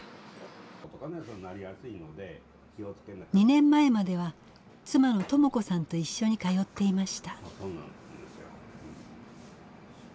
２年前までは妻の朋子さんと一緒に通っていました。